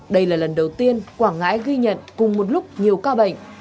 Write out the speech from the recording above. đây là lần đầu tiên quảng ngãi ghi nhận cùng một lúc nhiều ca bệnh